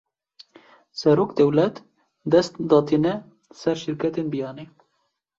Serokdewlet, dest datîne ser şîrketên biyanî